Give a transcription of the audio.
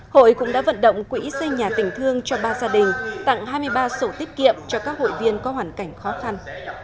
hội cũng đã vận động quỹ xây nhà tỉnh thương cho ba gia đình tặng hai mươi ba sổ tiết kiệm cho các hội viên có hoàn cảnh khó khăn